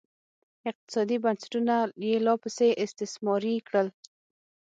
اقتصادي بنسټونه یې لاپسې استثماري کړل